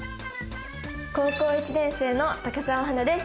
高校１年生の高沢英です。